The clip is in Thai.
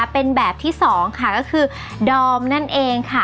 เป็นแบบที่สองค่ะก็คือดอมนั่นเองค่ะ